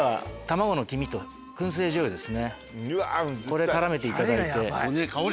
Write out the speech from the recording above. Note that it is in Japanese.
これ絡めていただいて。